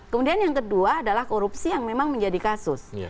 kemudian yang kedua adalah korupsi yang memang menjadi kasus